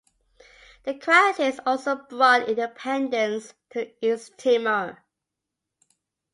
The crisis also brought independence to East Timor.